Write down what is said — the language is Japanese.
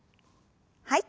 はい。